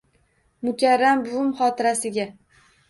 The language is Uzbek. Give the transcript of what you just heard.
Mukarram buvim xotirasiga